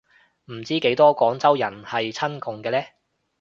唔知幾多廣州人係親共嘅呢